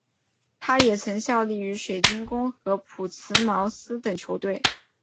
他也曾效力于水晶宫和朴茨茅斯等球队。